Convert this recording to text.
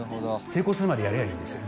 成功するまでやりゃいいんですよ